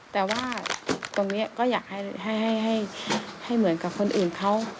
แต่ว่าตรงนี้ก็อยากให้เหมือนกับคนอื่นเขา